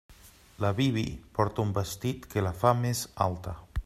La Bibi porta un vestit que la fa més alta.